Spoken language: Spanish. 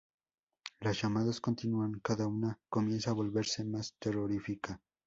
Las llamadas continúan, cada una comienza a volverse mas terrorífica.